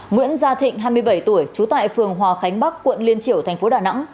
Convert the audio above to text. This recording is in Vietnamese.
nguyễn gia thịnh hai mươi bảy tuổi trú tại phường hòa khánh bắc quận liên triểu tp đà nẵng